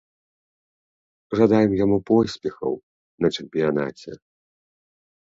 Жадаем яму поспехаў на чэмпіянаце.